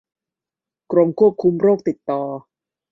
กรมควบคุมโรคติดต่อ